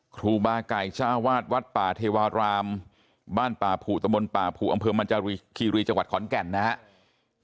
ครูบาไก่เจ้าวาดวัดป่าเทวารามบ้านป่าผูตมป่าผูอำเภอมันจารีคีรีจังหวัดขอนแก่นนะครับ